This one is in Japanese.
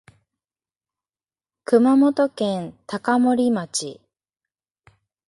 熊本県高森町